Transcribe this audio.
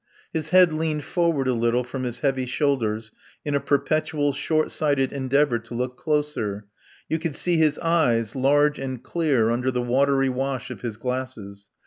His head leaned forward a little from his heavy shoulders in a perpetual short sighted endeavour to look closer; you could see his eyes, large and clear under the watery wash of his glasses.